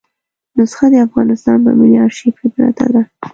نسخه د افغانستان په ملي آرشیف کې پرته ده.